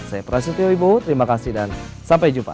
saya prasetyo wibowo terima kasih dan sampai jumpa